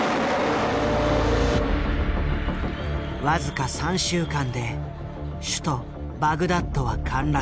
僅か３週間で首都バグダッドは陥落。